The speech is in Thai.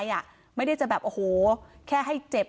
ไม่ว่ามาฆ่าให้ตายอ่ะไม่ได้จะแบบโอ้โหแค่ให้เจ็บ